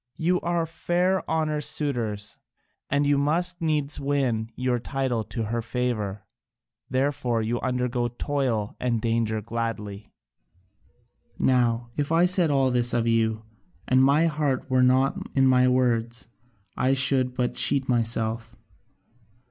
You are fair Honour's suitors, and you must needs win your title to her favour. Therefore you undergo toil and danger gladly. "Now if I said all this of you, and my heart were not in my words, I should but cheat myself.